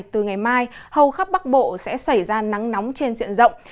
từ ngày mai hầu khắp bắc bộ sẽ xảy ra nắng nóng trên diện rộng